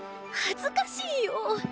恥ずかしいよぉ。